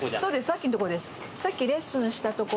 さっきの所です。